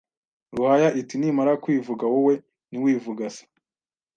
Ruhaya iti nimara kwivuga wowe ntiwivuga se